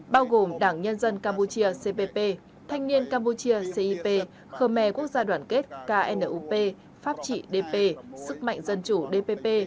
bao gồm đảng nhân dân campuchia cpp thanh niên campuchia cip khờ mè quốc gia đoàn kết knup pháp trị dp sức mạnh dân chủ dpp